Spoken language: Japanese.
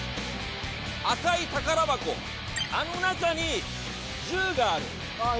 赤い宝箱、あの中に銃がある。